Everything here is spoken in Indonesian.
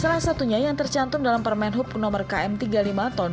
salah satunya yang tercantum dalam permen hub nomor km tiga puluh lima tahun dua ribu